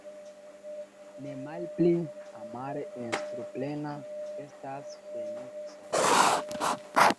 Nemalpli amare instruplena estas Fenikso.